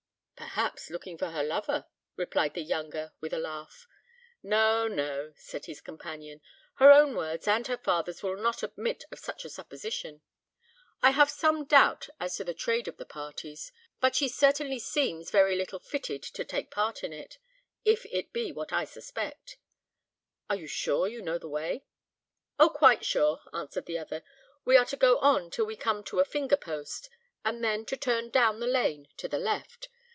"Perhaps looking for her lover," replied the younger, with a laugh. "No, no," said his companion; "her own words and her father's will not admit of such a supposition. I have some doubt as to the trade of the parties; but she certainly seems very little fitted to take part in it, if it be what I suspect. Are you sure you know the way?" "Oh! quite sure," answered the other; "we are to go on till we come to a finger post, and then to turn down the lane to the left.